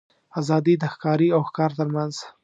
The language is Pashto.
آزادي د ښکاري او ښکار تر منځ.